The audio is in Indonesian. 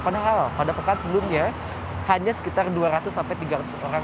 padahal pada pekan sebelumnya hanya sekitar dua ratus sampai tiga ratus orang